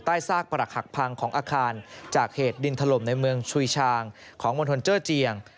ซากปรักหักพังของอาคารจากเหตุดินถล่มในเมืองชุยชางของมณฑลเจอร์เจียง